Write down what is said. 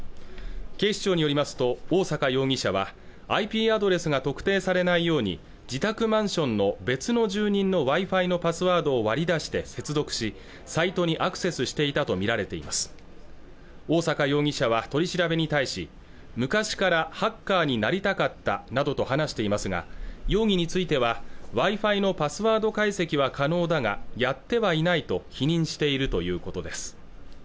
警視庁によりますと大坂容疑者はＩＰアドレスが特定されないように自宅マンションの別の住人のＷｉ−Ｆｉのパスワードを割り出して接続しサイトにアクセスしていたと見られています大坂容疑者は取り調べに対し昔からハッカーになりたかったなどと話していますが容疑についてはＷｉ−Ｆｉのパスワード解析は可能だがやってはいないと否認しているということです